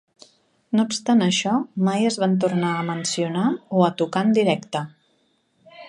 No obstant això, mai es van tornar a mencionar o a tocar en directe.